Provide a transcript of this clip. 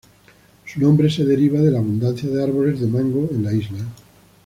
Su nombre se deriva de la abundancia de árboles de mango en la isla.